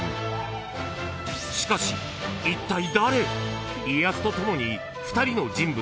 ［しかしいったい］